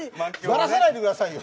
ばらさないでくださいよ。